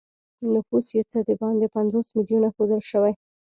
نفوس یې څه د باندې پنځوس میلیونه ښودل شوی.